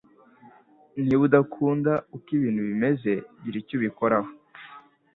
Niba udakunda uko ibintu bimeze, gira icyo ubikoraho.